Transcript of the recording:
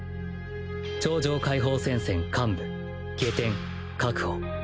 超常解放戦線幹部外典確保